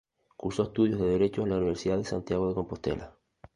Cursó estudios de Derecho en la Universidad de Santiago de Compostela.